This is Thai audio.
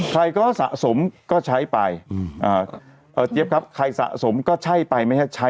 ใครก็สะสมก็ใช้ไปเจ๊บครับใครสะสมก็ใช่ไป